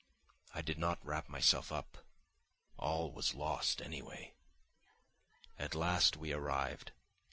I did not wrap myself up—all was lost, anyway. At last we arrived.